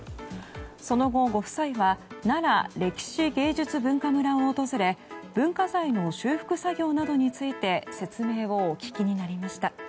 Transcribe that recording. その後、ご夫妻はなら歴史芸術文化村を訪れ文化財の修復作業などについて説明をお聞きになりました。